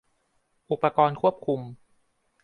อุปกรณ์ควบคุม